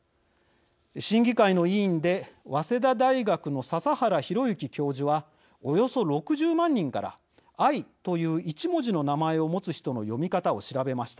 審議会の委員で早稲田大学の笹原宏之教授はおよそ６０万人から「愛」という１文字の名前を持つ人の読み方を調べました。